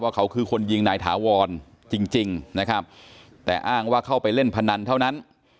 เขาคือคนยิงนายถาวรจริงนะครับแต่อ้างว่าเข้าไปเล่นพนันเท่านั้น